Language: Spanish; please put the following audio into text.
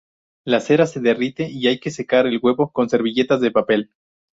La cera se derrite y hay que secar el huevo con servilletas de papel.